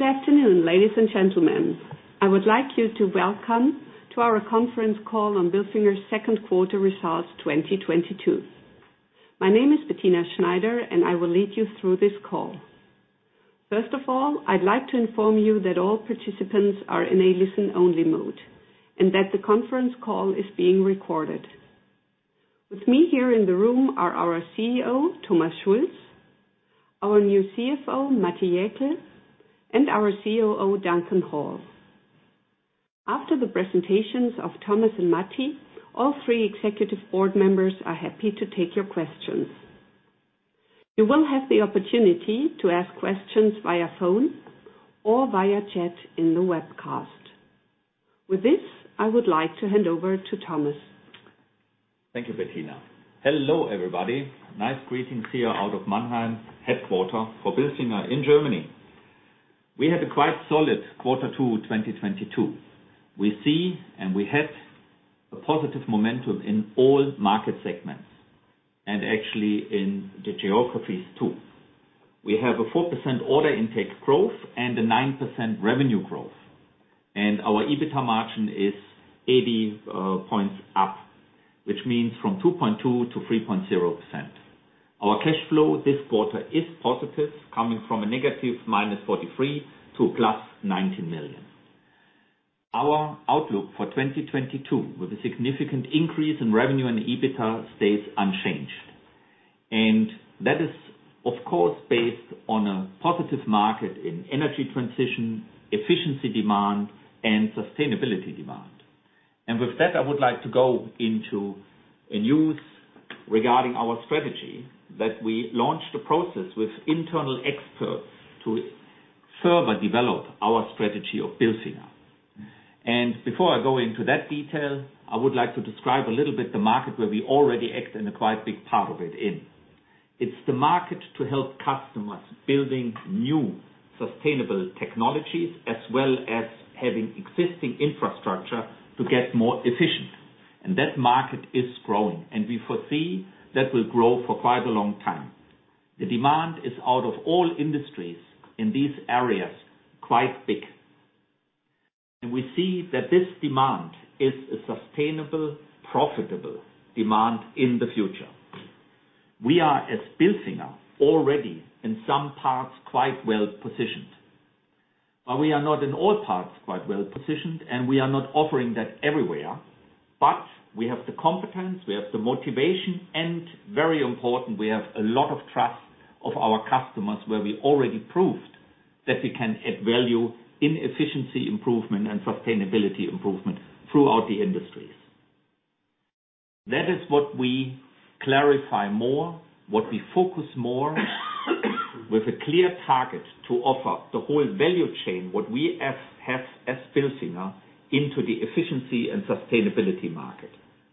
Good afternoon, ladies and gentlemen. I would like to welcome you to our conference call on Bilfinger's second quarter results 2022. My name is Bettina Schneider, and I will lead you through this call. First of all, I'd like to inform you that all participants are in a listen-only mode and that the conference call is being recorded. With me here in the room are our CEO, Thomas Schulz, our new CFO, Matti Jäkel, and our COO, Duncan Hall. After the presentations of Thomas and Matti, all three executive board members are happy to take your questions. You will have the opportunity to ask questions via phone or via chat in the webcast. With this, I would like to hand over to Thomas. Thank you, Bettina. Hello, everybody. Nice greetings here out of Mannheim headquarters for Bilfinger in Germany. We had a quite solid quarter two, 2022. We see and we had a positive momentum in all market segments and actually in the geographies, too. We have a 4% order intake growth and a 9% revenue growth. Our EBITDA margin is 80 points up, which means from 2.2%-3.0%. Our cash flow this quarter is positive, coming from -EUR 43 million to +EUR 90 million. Our outlook for 2022, with a significant increase in revenue and EBITDA, stays unchanged. That is, of course, based on a positive market in energy transition, efficiency demand, and sustainability demand. With that, I would like to go into a news regarding our strategy that we launched a process with internal experts to further develop our strategy of Bilfinger. Before I go into that detail, I would like to describe a little bit the market where we already act in a quite big part of it in. It's the market to help customers building new sustainable technologies as well as having existing infrastructure to get more efficient. That market is growing, and we foresee that will grow for quite a long time. The demand is, out of all industries in these areas, quite big. We see that this demand is a sustainable, profitable demand in the future. We are, as Bilfinger, already in some parts, quite well-positioned. We are not in all parts quite well-positioned, and we are not offering that everywhere. We have the competence, we have the motivation, and very important, we have a lot of trust of our customers, where we already proved that we can add value in efficiency improvement and sustainability improvement throughout the industries. That is what we clarify more, what we focus more, with a clear target to offer the whole value chain, what we have as Bilfinger into the efficiency and sustainability market.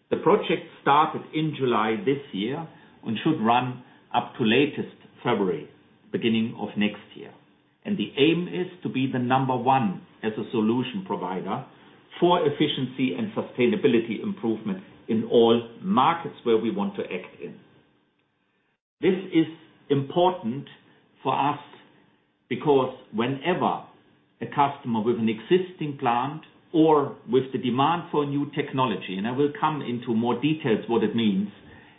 The project started in July this year and should run up to latest February, beginning of next year. The aim is to be the number one as a solution provider for efficiency and sustainability improvement in all markets where we want to act in. This is important for us because whenever a customer with an existing plant or with the demand for new technology, and I will come into more details what it means,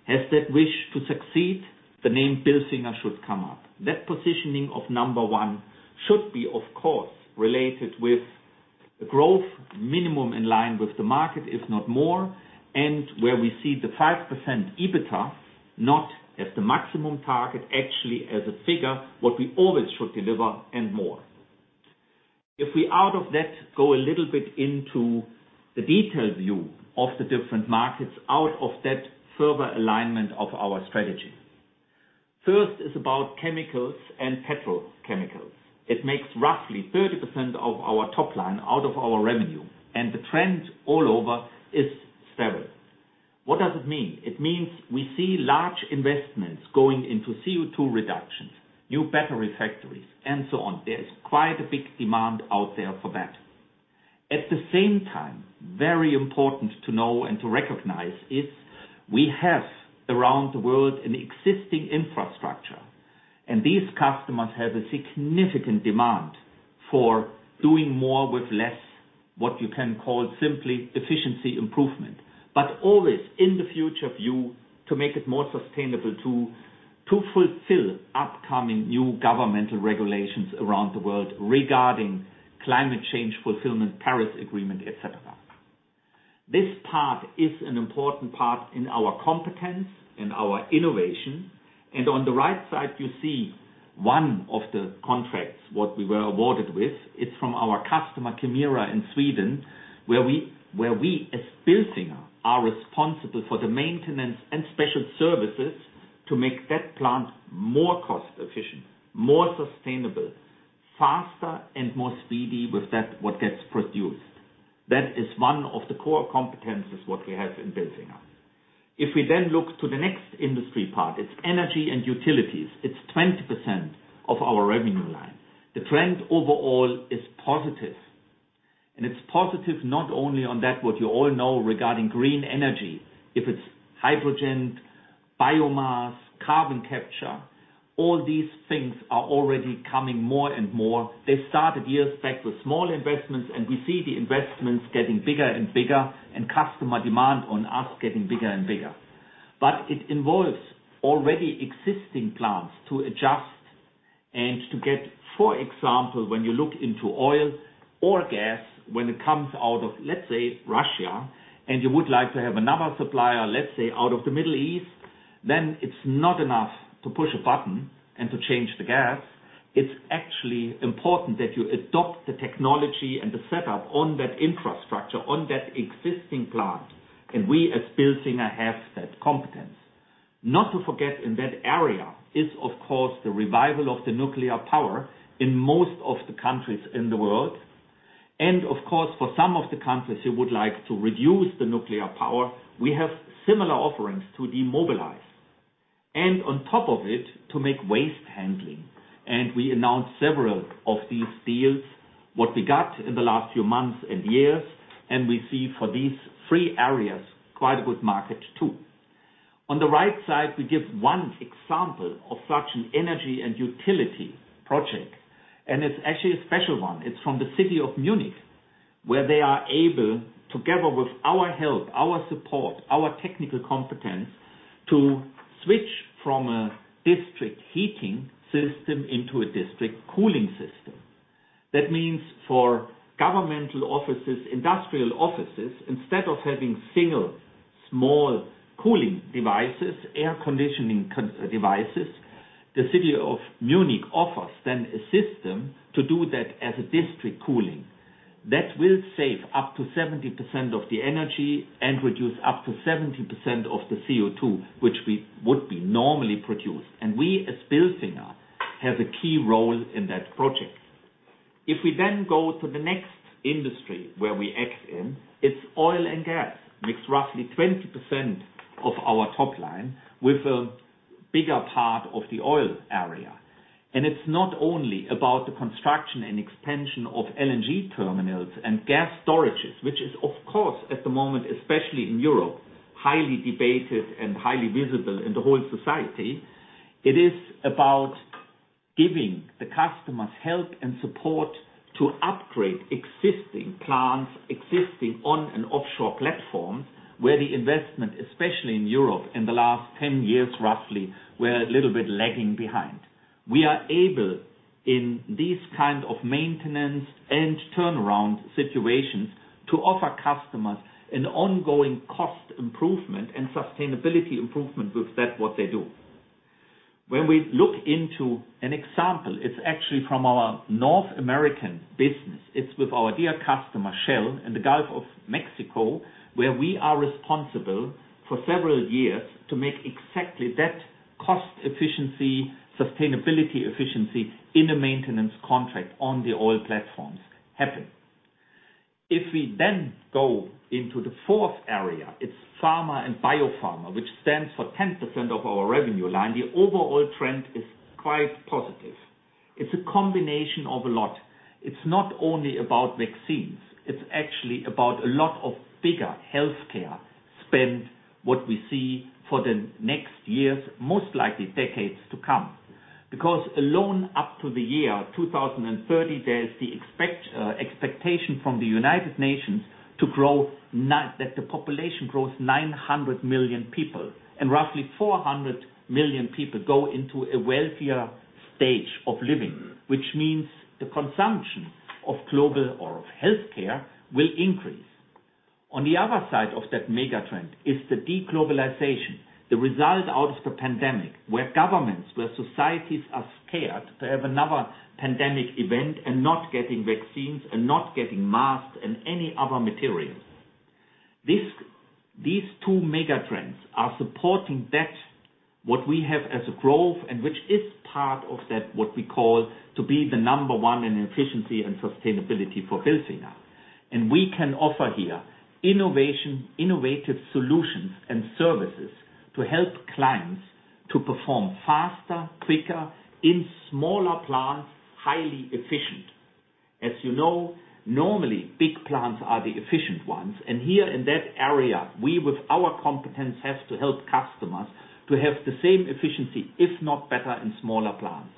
has that wish to succeed, the name Bilfinger should come up. That positioning of number one should be, of course, related with growth minimum in line with the market, if not more, and where we see the 5% EBITDA not as the maximum target, actually as a figure what we always should deliver and more. If we out of that go a little bit into the detailed view of the different markets out of that further alignment of our strategy. First is about chemicals and petrochemicals. It makes roughly 30% of our top line out of our revenue, and the trend all over is stable. What does it mean? It means we see large investments going into CO₂ reductions, new battery factories, and so on. There is quite a big demand out there for that. At the same time, very important to know and to recognize is we have around the world an existing infrastructure, and these customers have a significant demand for doing more with less, what you can call simply efficiency improvement. But always in the future view to make it more sustainable to fulfill upcoming new governmental regulations around the world regarding climate change fulfillment, Paris Agreement, et cetera. This part is an important part in our competence, in our innovation. On the right side, you see one of the contracts, what we were awarded with. It's from our customer, Kemira in Sweden, where we as Bilfinger are responsible for the maintenance and special services to make that plant more cost-efficient, more sustainable, faster and more speedy with that what gets produced. That is one of the core competencies what we have in Bilfinger. If we then look to the next industry part, it's energy and utilities. It's 20% of our revenue line. The trend overall is positive. It's positive not only on that what you all know regarding green energy. If it's hydrogen, biomass, carbon capture, all these things are already coming more and more. They started years back with small investments, and we see the investments getting bigger and bigger, and customer demand on us getting bigger and bigger. It involves already existing plants to adjust and to get, for example, when you look into oil or gas, when it comes out of, let's say, Russia, and you would like to have another supplier, let's say, out of the Middle East, then it's not enough to push a button and to change the gas. It's actually important that you adopt the technology and the setup on that infrastructure, on that existing plant. We as Bilfinger have that competence. Not to forget in that area is, of course, the revival of the nuclear power in most of the countries in the world. Of course, for some of the countries who would like to reduce the nuclear power, we have similar offerings to demobilize. On top of it, to make waste handling. We announced several of these deals, what we got in the last few months and years, and we see for these three areas, quite a good market too. On the right side, we give one example of such an energy and utility project, and it's actually a special one. It's from the city of Munich, where they are able, together with our help, our support, our technical competence, to switch from a district heating system into a district cooling system. That means for governmental offices, industrial offices, instead of having single small cooling devices, air conditioning devices, the city of Munich offers then a system to do that as a district cooling. That will save up to 70% of the energy and reduce up to 70% of the CO₂, which we would be normally produced. We as Bilfinger have a key role in that project. If we then go to the next industry where we act in, it's oil and gas. Makes roughly 20% of our top line with a bigger part of the oil area. It's not only about the construction and expansion of LNG terminals and gas storages, which is of course, at the moment, especially in Europe, highly debated and highly visible in the whole society. It is about giving the customers help and support to upgrade existing plants, existing on and offshore platforms, where the investment, especially in Europe in the last 10 years, roughly, were a little bit lagging behind. We are able, in these kind of maintenance and turnaround situations, to offer customers an ongoing cost improvement and sustainability improvement with that what they do. When we look into an example, it's actually from our North American business. It's with our dear customer, Shell, in the Gulf of Mexico, where we are responsible for several years to make exactly that cost efficiency, sustainability efficiency in a maintenance contract on the oil platforms happen. If we then go into the fourth area, it's pharma and biopharma, which stands for 10% of our revenue line. The overall trend is quite positive. It's a combination of a lot. It's not only about vaccines, it's actually about a lot of bigger healthcare spend what we see for the next years, most likely decades to come. Because alone up to the year 2030, there's the expectation from the United Nations that the population grows 900 million people and roughly 400 million people go into a wealthier stage of living, which means the consumption of global or of healthcare will increase. On the other side of that mega trend is the de-globalization, the result out of the pandemic, where governments, where societies are scared to have another pandemic event and not getting vaccines and not getting masks and any other materials. These two mega trends are supporting that what we have as a growth and which is part of that what we call to be the number one in efficiency and sustainability for Bilfinger. We can offer here innovation, innovative solutions and services to help clients to perform faster, quicker, in smaller plants, highly efficient. As you know, normally, big plants are the efficient ones, and here in that area, we with our competence, have to help customers to have the same efficiency, if not better, in smaller plants.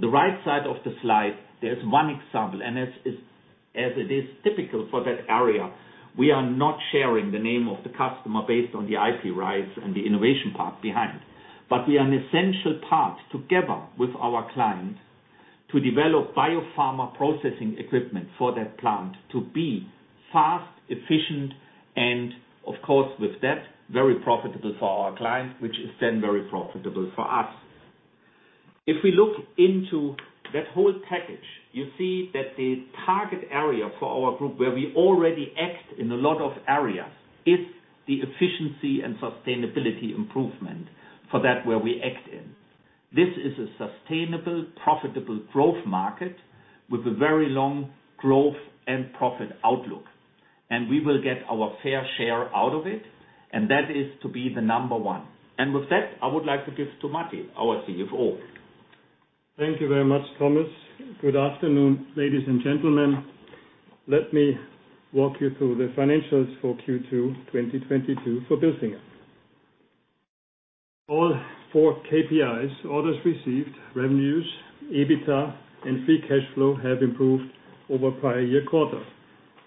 The right side of the slide, there's one example, and as it is typical for that area, we are not sharing the name of the customer based on the IP rights and the innovation part behind. We are an essential part together with our client to develop biopharma processing equipment for that plant to be fast, efficient and of course, with that, very profitable for our client, which is then very profitable for us. If we look into that whole package, you see that the target area for our group, where we already act in a lot of areas, is the efficiency and sustainability improvement for that where we act in. This is a sustainable, profitable growth market with a very long growth and profit outlook, and we will get our fair share out of it, and that is to be the number one. With that, I would like to give to Matti, our CFO. Thank you very much, Thomas. Good afternoon, ladies and gentlemen. Let me walk you through the financials for Q2 2022 for Bilfinger. All four KPIs, orders received, revenues, EBITDA, and free cash flow have improved over prior-year quarter.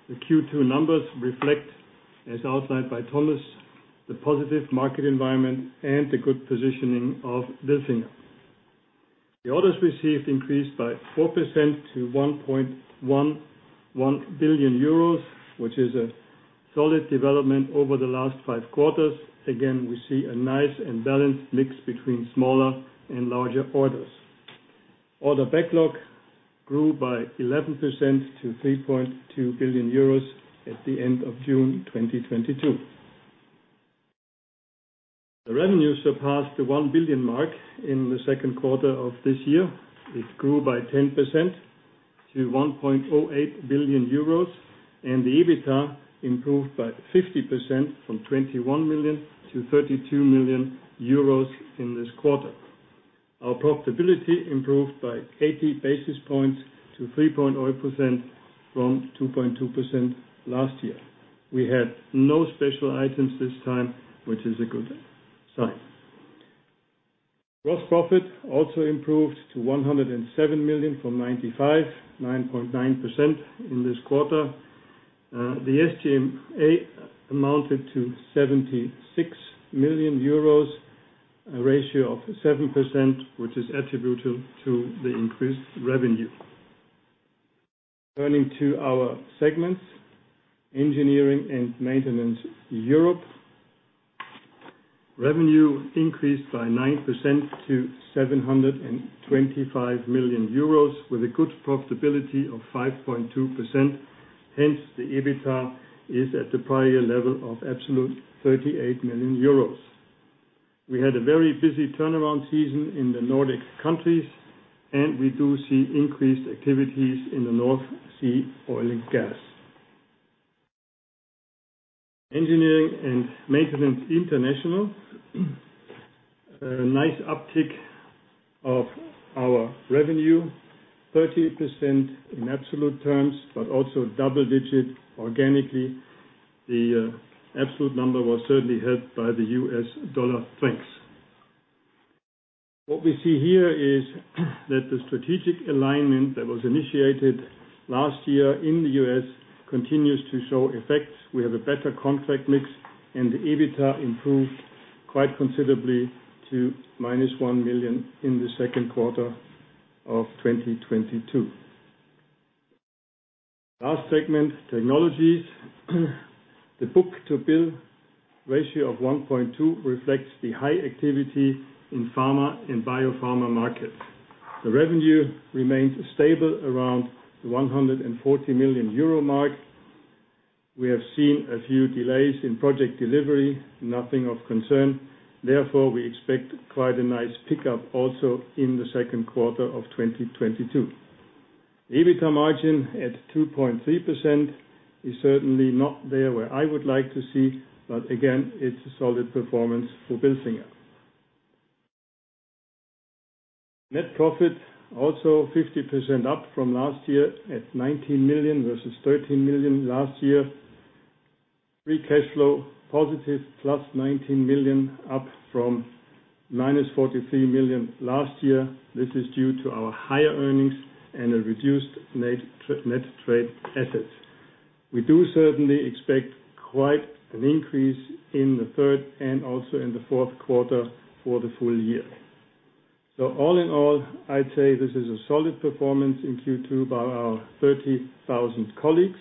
The Q2 numbers reflect, as outlined by Thomas, the positive market environment and the good positioning of Bilfinger. The orders received increased by 4% to 1.11 billion euros, which is a solid development over the last five quarters. Again, we see a nice and balanced mix between smaller and larger orders. Order backlog grew by 11% to 3.2 billion euros at the end of June 2022. The revenue surpassed the 1 billion mark in the second quarter of this year. It grew by 10% to 1.08 billion euros, and the EBITDA improved by 50% from 21 million-32 million euros in this quarter. Our profitability improved by 80 basis points to 3.08%-2.2% last year. We had no special items this time, which is a good sign. Gross profit also improved to 107 million from 95 million, 9.9% in this quarter. The SG&A amounted to 76 million euros, a ratio of 7%, which is attributable to the increased revenue. Turning to our segments, Engineering and Maintenance Europe. Revenue increased by 9% to 725 million euros with a good profitability of 5.2%. Hence, the EBITDA is at the prior level of absolute 38 million euros. We had a very busy turnaround season in the Nordic countries, and we do see increased activities in the North Sea oil and gas. Engineering and Maintenance International, a nice uptick in our revenue, 30% in absolute terms, but also double-digit organically. The absolute number was certainly helped by the U.S. dollar strengths. What we see here is that the strategic alignment that was initiated last year in the U.S. continues to show effect. We have a better contract mix, and the EBITDA improved quite considerably to -1 million in the second quarter of 2022. Last segment, technologies. The book-to-bill ratio of 1.2 reflects the high activity in pharma and biopharma markets. The revenue remains stable around the 140 million euro mark. We have seen a few delays in project delivery, nothing of concern. Therefore, we expect quite a nice pickup also in the second quarter of 2022. EBITDA margin at 2.3% is certainly not there where I would like to see, but again, it's a solid performance for Bilfinger. Net profit also 50% up from last year at 19 million versus 13 million last year. Free cash flow positive +19 million, up from -43 million last year. This is due to our higher earnings and a reduced net trade assets. We do certainly expect quite an increase in the third and also in the fourth quarter for the full year. All in all, I'd say this is a solid performance in Q2 by our 30,000 colleagues.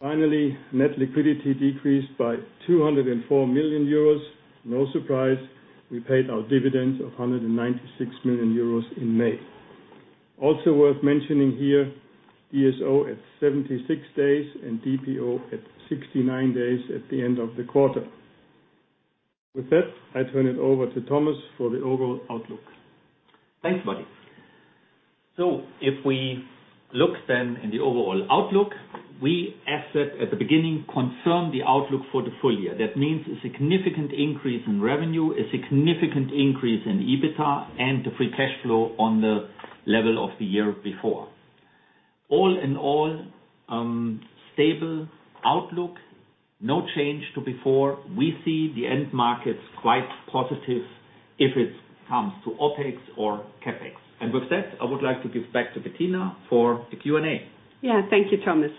Finally, net liquidity decreased by 204 million euros. No surprise, we paid our dividends of 196 million euros in May. Also worth mentioning here, DSO at 76 days and DPO at 69 days at the end of the quarter. With that, I turn it over to Thomas for the overall outlook. Thanks, Matti. If we look then in the overall outlook, we, as said at the beginning, confirm the outlook for the full year. That means a significant increase in revenue, a significant increase in EBITDA and the free cash flow on the level of the year before. All in all, stable outlook, no change to before. We see the end markets quite positive if it comes to OpEx or CapEx. With that, I would like to give back to Bettina for the Q&A. Yeah. Thank you, Thomas.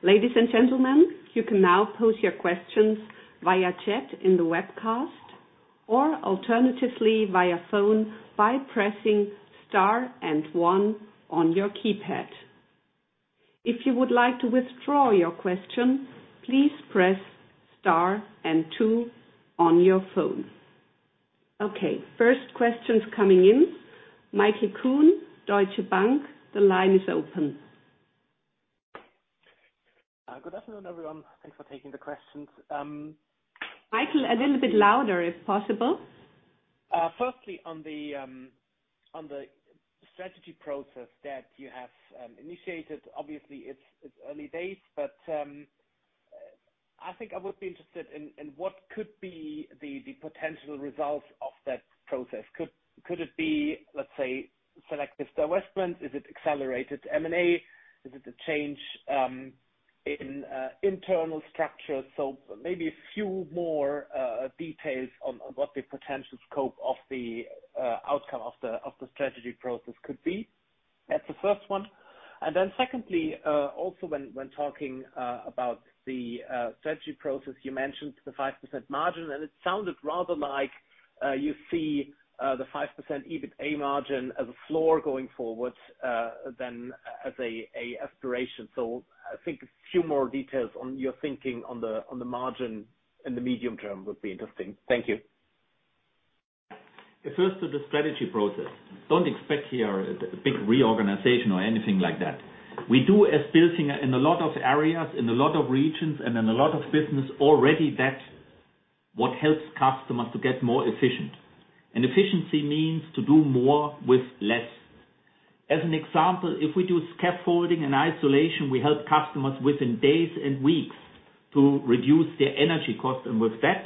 Ladies and gentlemen, you can now pose your questions via chat in the webcast, or alternatively via phone by pressing star and one on your keypad. If you would like to withdraw your question, please press star and two on your phone. Okay, first questions coming in. Michael Kuhn, Deutsche Bank, the line is open. Good afternoon, everyone. Thanks for taking the questions. Michael, a little bit louder, if possible. Firstly on the strategy process that you have initiated. Obviously, it's early days, but I think I would be interested in what could be the potential results of that process. Could it be, let's say, selective divestment? Is it accelerated M&A? Is it a change in internal structures? Maybe a few more details on what the potential scope of the outcome of the strategy process could be. That's the first one. Secondly, also when talking about the strategy process, you mentioned the 5% margin, and it sounded rather like you see the 5% EBITDA margin as a floor going forward than as an aspiration. I think a few more details on your thinking on the margin in the medium term would be interesting. Thank you. First to the strategy process. Don't expect here a big reorganization or anything like that. We are building in a lot of areas, in a lot of regions, and in a lot of businesses already that helps customers to get more efficient. Efficiency means to do more with less. As an example, if we do scaffolding and insulation, we help customers within days and weeks to reduce their energy cost. With that,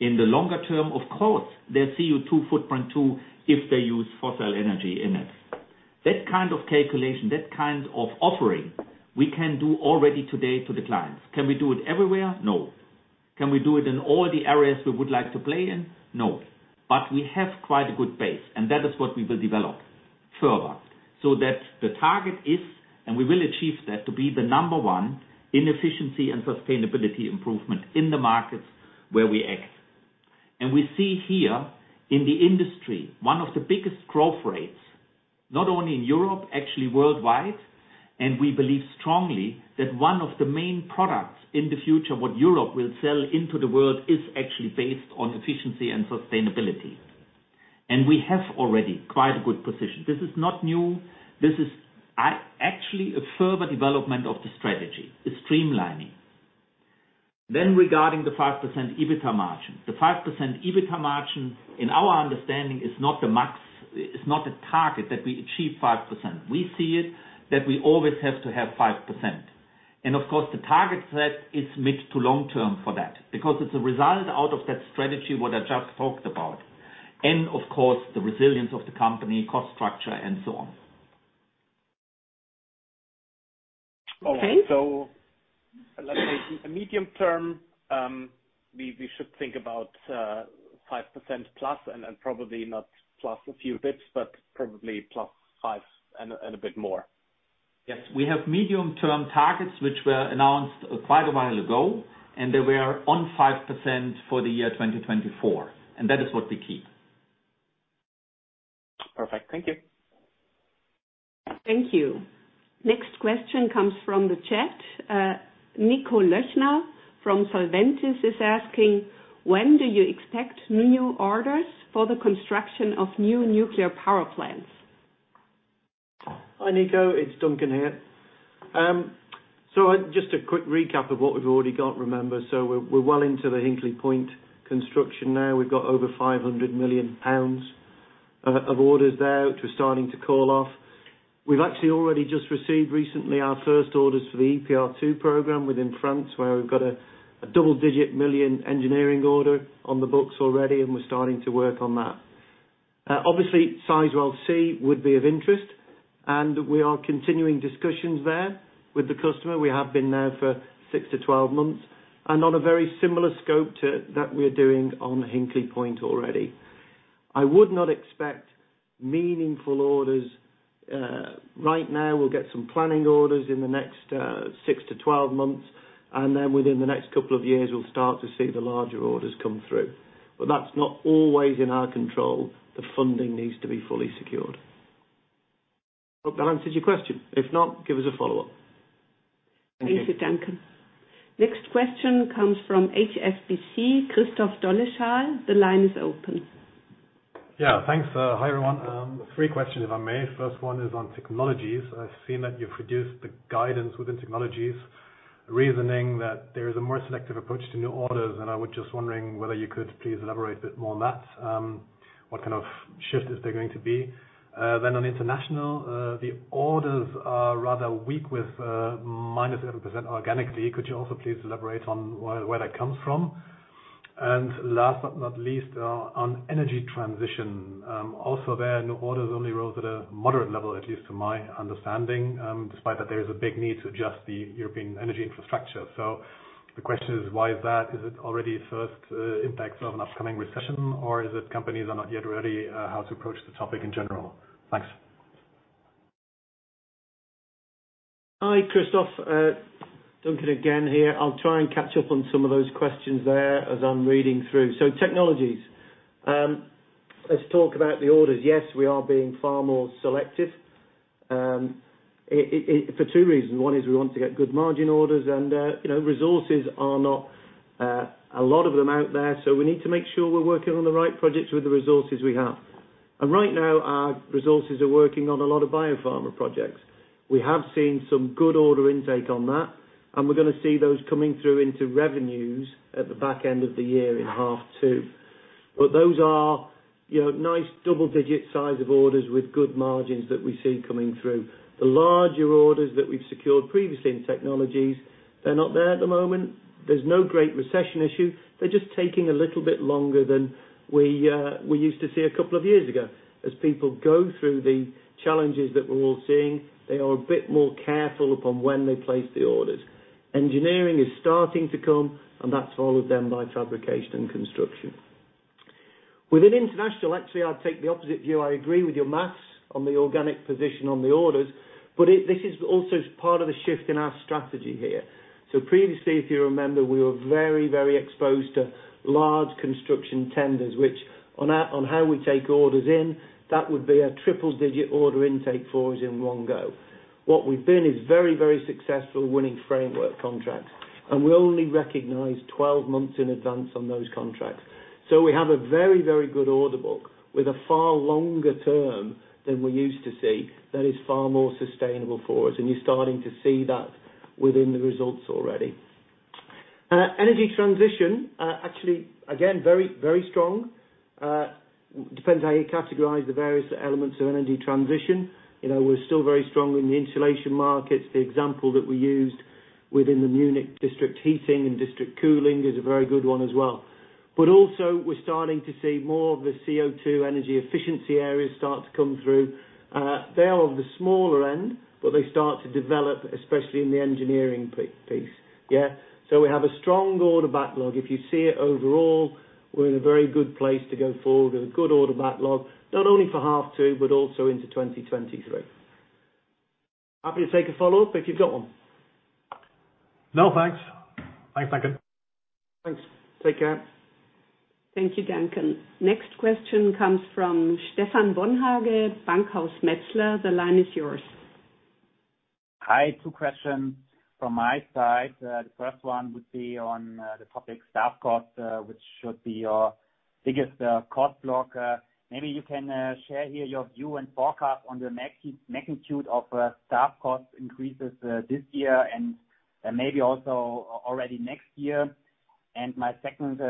in the longer term, of course, their CO₂ footprint too, if they use fossil energy in it. That kind of calculation, that kind of offering we can do already today to the clients. Can we do it everywhere? No. Can we do it in all the areas we would like to play in? No. We have quite a good base, and that is what we will develop further so that the target is, and we will achieve that, to be the number one in efficiency and sustainability improvement in the markets where we act. We see here in the industry, one of the biggest growth rates, not only in Europe, actually worldwide. We believe strongly that one of the main products in the future, what Europe will sell into the world, is actually based on efficiency and sustainability. We have already quite a good position. This is not new. This is actually a further development of the strategy. It's streamlining. Regarding the 5% EBITDA margin. The 5% EBITDA margin, in our understanding, is not the max. It's not a target that we achieve 5%. We see it that we always have to have 5%. Of course, the target set is mid to long term for that because it's a result out of that strategy, what I just talked about, and of course, the resilience of the company cost structure and so on. Okay. Let's say in the medium term, we should think about 5%+ and probably not plus a few bits, but probably +5% and a bit more. Yes. We have medium term targets, which were announced quite a while ago, and they were on 5% for the year 2024, and that is what we keep. Perfect. Thank you. Thank you. Next question comes from the chat. Nico Löchner from Solventis is asking, when do you expect new orders for the construction of new nuclear power plants? Hi, Nico. It's Duncan here. Just a quick recap of what we've already got, remember. We're well into the Hinkley Point construction now. We've got over 500 million pounds of orders there, which we're starting to call off. We've actually already just received recently our first orders for the EPR2 program within France, where we've got a double-digit million engineering order on the books already, and we're starting to work on that. Obviously, Sizewell C would be of interest, and we are continuing discussions there with the customer. We have been there for six to 12 months and on a very similar scope to that we're doing on Hinkley Point already. I would not expect meaningful orders right now. We'll get some planning orders in the next six to 12 months, and then within the next couple of years, we'll start to see the larger orders come through. But that's not always in our control. The funding needs to be fully secured. Hope that answers your question. If not, give us a follow-up. Thank you, Duncan. Next question comes from HSBC, Christoph Dolleschall. The line is open. Yeah. Thanks. Hi, everyone. Three questions, if I may. First one is on technologies. I've seen that you've reduced the guidance within technologies, reasoning that there is a more selective approach to new orders, and I was just wondering whether you could please elaborate a bit more on that. What kind of shift is there going to be? On international, the orders are rather weak with minus 7% organically. Could you also please elaborate on where that comes from? Last but not least, on energy transition, also there new orders only rose at a moderate level, at least to my understanding, despite that there is a big need to adjust the European energy infrastructure. The question is, why is that? Is it already first, impacts of an upcoming recession, or is it companies are not yet ready, how to approach the topic in general? Thanks. Hi, Christoph. Duncan again here. I'll try and catch up on some of those questions there as I'm reading through. Technologies, let's talk about the orders. Yes, we are being far more selective for two reasons. One is we want to get good margin orders and, you know, resources are not a lot of them out there, so we need to make sure we're working on the right projects with the resources we have. Right now, our resources are working on a lot of biopharma projects. We have seen some good order intake on that, and we're gonna see those coming through into revenues at the back end of the year in half two. Those are, you know, nice double-digit size of orders with good margins that we see coming through. The larger orders that we've secured previously in technologies, they're not there at the moment. There's no great recession issue. They're just taking a little bit longer than we used to see a couple of years ago. As people go through the challenges that we're all seeing, they are a bit more careful about when they place the orders. Engineering is starting to come, and that's followed then by fabrication and construction. Within international, actually, I'd take the opposite view. I agree with your math on the organic position on the orders, but this is also part of the shift in our strategy here. Previously, if you remember, we were very, very exposed to large construction tenders, which on how we take orders in, that would be a triple digit order intake for us in one go. What we've been is very, very successful winning framework contracts, and we only recognize 12 months in advance on those contracts. We have a very, very good order book with a far longer term than we used to see that is far more sustainable for us, and you're starting to see that within the results already. Energy transition, actually again, very, very strong. Depends how you categorize the various elements of energy transition. You know, we're still very strong in the insulation markets. The example that we used within the Munich district heating and district cooling is a very good one as well. Also we're starting to see more of the CO₂ energy efficiency areas start to come through. They are on the smaller end, but they start to develop, especially in the engineering piece. Yeah, so we have a strong order backlog. If you see it overall, we're in a very good place to go forward with a good order backlog, not only for half two but also into 2023. Happy to take a follow-up if you've got one. No, thanks. Thanks, Duncan. Thanks. Take care. Thank you, Duncan. Next question comes from Stephan Bonhage, Bankhaus Metzler. The line is yours. Hi. Two questions from my side. The first one would be on the topic staff costs, which should be your biggest cost block. Maybe you can share here your view and forecast on the magnitude of staff cost increases this year and maybe also already next year. My second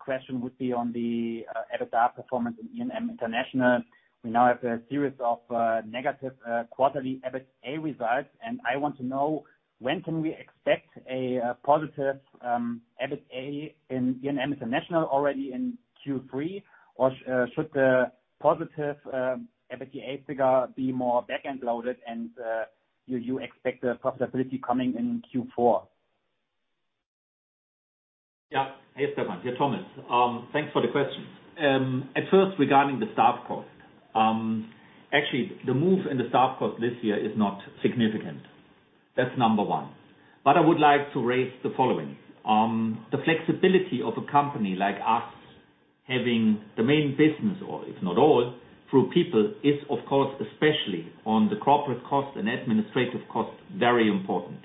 question would be on the EBITDA performance in E&M International. We now have a series of negative quarterly EBITDA results, and I want to know, when can we expect a positive EBITDA in E&M International already in Q3? Or should the positive EBITDA figure be more back-end loaded and do you expect the profitability coming in Q4? Hey, Stephan. Yeah, Thomas. Thanks for the question. At first regarding the staff cost. Actually, the move in the staff cost this year is not significant. That's number one. I would like to raise the following. The flexibility of a company like us having the main business, or if not all, through people is, of course, especially on the corporate cost and administrative cost, very important.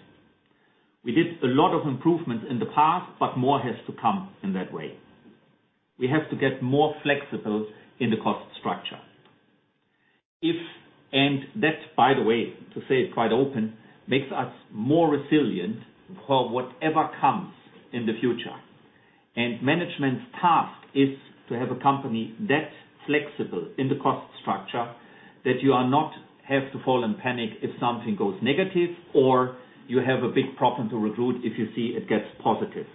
We did a lot of improvements in the past, but more has to come in that way. We have to get more flexible in the cost structure. And that's by the way, to say it quite open, makes us more resilient for whatever comes in the future. Management's task is to have a company that's flexible in the cost structure that you do not have to fall and panic if something goes negative or you have a big problem to recruit if you see it gets positive.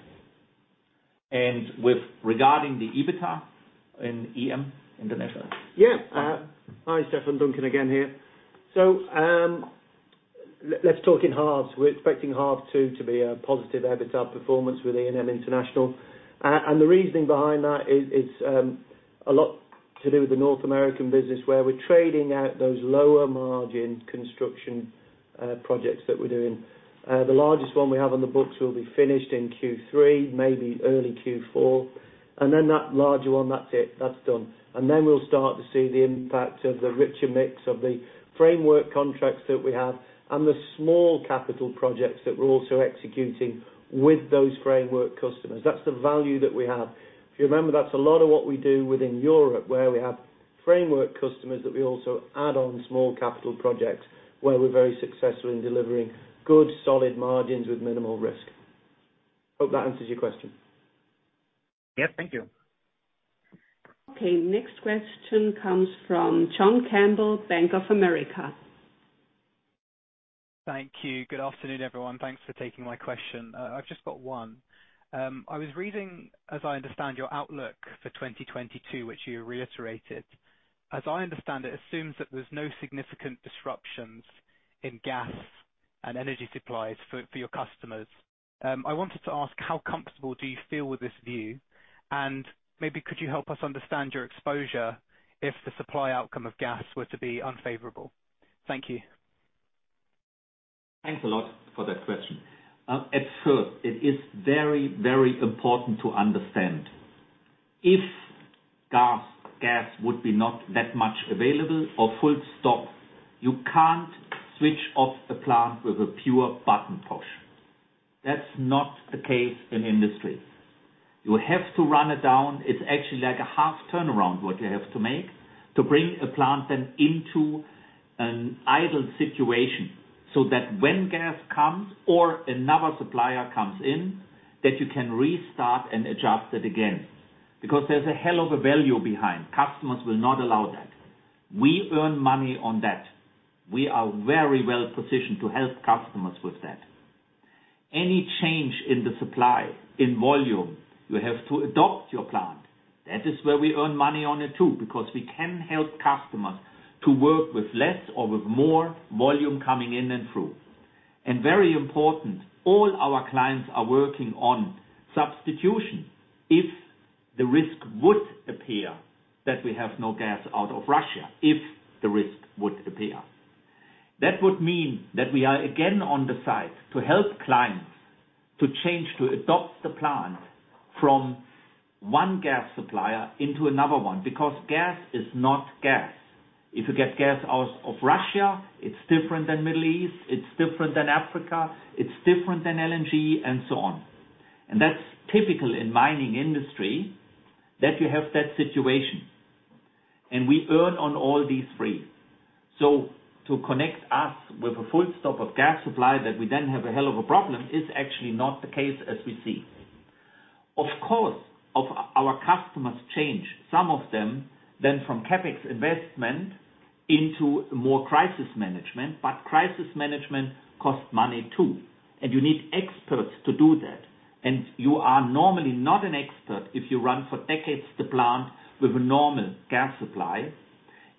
Regarding the EBITDA in E&M International. Yeah. Hi, Stephan. Duncan again here. Let's talk in halves. We're expecting half two to be a positive EBITDA performance with E&M International. And the reasoning behind that is a lot to do with the North American business, where we're trading out those lower margin construction projects that we're doing. The largest one we have on the books will be finished in Q3, maybe early Q4. And then that larger one, that's it, that's done. And then we'll start to see the impact of the richer mix of the framework contracts that we have and the small capital projects that we're also executing with those framework customers. That's the value that we have. If you remember, that's a lot of what we do within Europe, where we have framework customers that we also add on small capital projects where we're very successful in delivering good, solid margins with minimal risk. Hope that answers your question. Yes. Thank you. Okay. Next question comes from John Campbell, Bank of America. Thank you. Good afternoon, everyone. Thanks for taking my question. I've just got one. I was reading, as I understand, your outlook for 2022, which you reiterated. As I understand, it assumes that there's no significant disruptions in gas and energy supplies for your customers. I wanted to ask, how comfortable do you feel with this view? Maybe could you help us understand your exposure if the supply outcome of gas were to be unfavorable? Thank you. Thanks a lot for that question. At first, it is very, very important to understand if gas would be not that much available or full stop, you can't switch off a plant with a pure button push. That's not the case in industry. You have to run it down. It's actually like a half turnaround, what you have to make to bring a plant then into an idle situation, so that when gas comes or another supplier comes in, that you can restart and adjust it again. Because there's a hell of a value behind. Customers will not allow that. We earn money on that. We are very well positioned to help customers with that. Any change in the supply, in volume, you have to adapt your plant. That is where we earn money on it too, because we can help customers to work with less or with more volume coming in and through. Very important, all our clients are working on substitution. If the risk would appear that we have no gas out of Russia. That would mean that we are again on the site to help clients to change, to adopt the plant from one gas supplier into another one, because gas is not gas. If you get gas out of Russia, it's different than Middle East, it's different than Africa, it's different than LNG and so on. That's typical in mining industry, that you have that situation. We earn on all these three. To connect us with a full stop of gas supply, that we then have a hell of a problem, is actually not the case as we see. Of course, of our customers change, some of them then from CapEx investment into more crisis management. Crisis management costs money too, and you need experts to do that. You are normally not an expert if you run for decades the plant with a normal gas supply.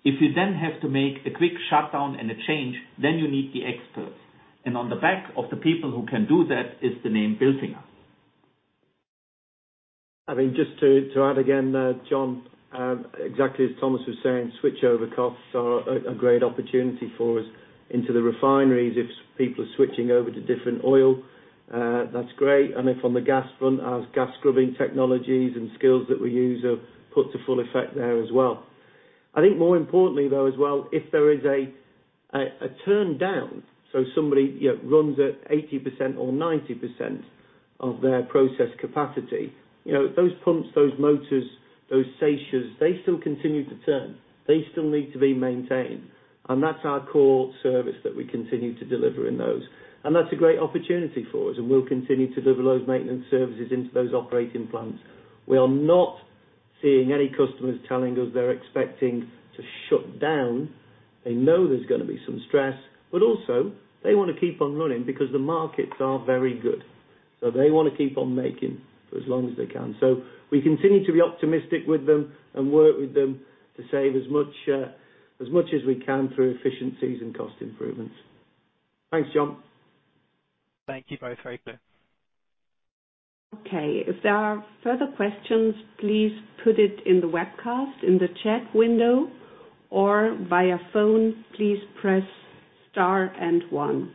If you then have to make a quick shutdown and a change, then you need the experts. On the back of the people who can do that is the name Bilfinger. I mean, just to add again, John, exactly as Thomas was saying, switchover costs are a great opportunity for us into the refineries if people are switching over to different oil, that's great. If on the gas front, our gas scrubbing technologies and skills that we use are put to full effect there as well. I think more importantly though, as well, if there is a turn down, so somebody, you know, runs at 80% or 90% of their process capacity, you know, those pumps, those motors, those stages, they still continue to turn. They still need to be maintained. That's our core service that we continue to deliver in those. That's a great opportunity for us, and we'll continue to deliver those maintenance services into those operating plants. We are not seeing any customers telling us they're expecting to shut down. They know there's gonna be some stress, but also they wanna keep on running because the markets are very good. They wanna keep on making for as long as they can. We continue to be optimistic with them and work with them to save as much as we can through efficiencies and cost improvements. Thanks, John. Thank you both. Very clear. Okay. If there are further questions, please put it in the webcast, in the chat window or via phone, please press star and one.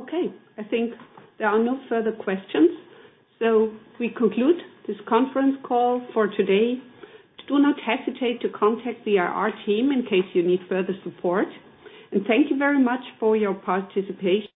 Okay. I think there are no further questions, so we conclude this conference call for today. Do not hesitate to contact the IR team in case you need further support. Thank you very much for your participation.